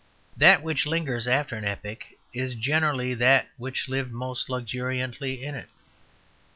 That which lingers after an epoch is generally that which lived most luxuriantly in it.